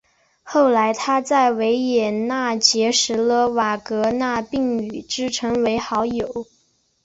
后来他在维也纳结识了瓦格纳并与之成为好友。